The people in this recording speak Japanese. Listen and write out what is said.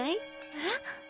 えっ？